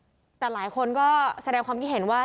เป็นพระรูปนี้เหมือนเคี้ยวเหมือนกำลังทำปากขมิบท่องกระถาอะไรสักอย่าง